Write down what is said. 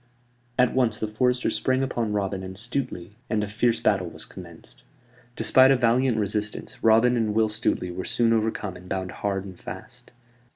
At once the foresters sprang upon Robin and Stuteley, and a fierce battle was commenced. Despite a valiant resistance, Robin and Will Stuteley were soon overcome and bound hard and fast.